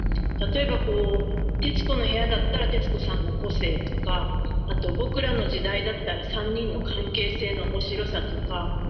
例えば『徹子の部屋』だったら徹子さんの個性とかあと『ボクらの時代』だったら３人の関係性の面白さとか。